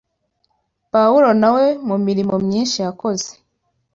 Pawulo na we mu mirimo myinshi yakoze